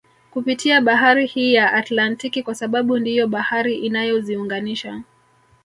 Kupitia bahari hii ya Atlantiki kwa sababu ndiyo bahari inayoziunganisha